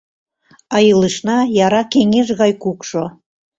А илышна яра кеҥеж гай кукшо.